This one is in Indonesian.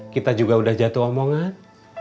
kita juga sudah jatuh omongan